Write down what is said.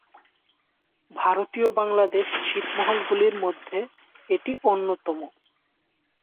ভারতীয়-বাংলাদেশ ছিটমহল গুলির মধ্যে এটি অন্যতম।